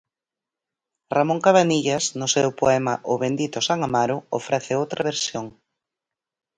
Ramón Cabanillas, no seu poema "O bendito San Amaro", ofrece outra versión.